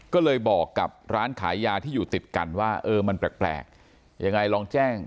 ก็เลยบอกกับร้านขายยาที่อยู่ติดกันว่าเออมันแปลกยังไงลองแจ้ง